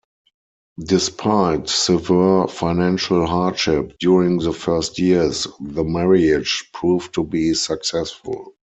Despite severe financial hardship during the first years, the marriage proved to be successful.